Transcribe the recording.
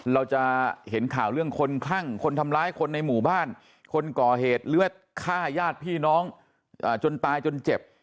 เราจะเห็นข่าวเรื่องคนคลั่งคนทำร้ายคนในหมู่บ้านคนก่อเหตุเลือดฆ่าญาติพี่น้องจนตายจนเจ็บ